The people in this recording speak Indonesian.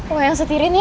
wah yang setir ini ya